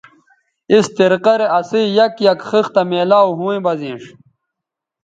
اِس طریقہ رے اسئ یک یک خِختہ میلاو ھویں بہ زینݜ